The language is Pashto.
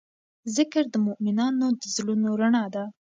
ذکر د مؤمنانو د زړونو رڼا ده.